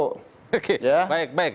oke baik baik